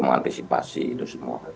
mengantisipasi itu semua